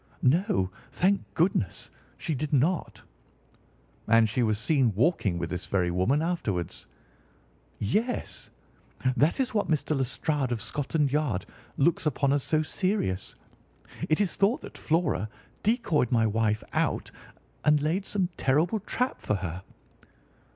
"No, thank goodness, she did not." "And she was seen walking with this very woman afterwards?" "Yes. That is what Mr. Lestrade, of Scotland Yard, looks upon as so serious. It is thought that Flora decoyed my wife out and laid some terrible trap for her."